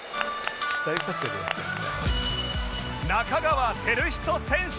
仲川輝人選手